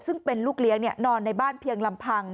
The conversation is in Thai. ซึ่งเป็นลูกเลี้ยงนอนในบ้านเพียงลำพัง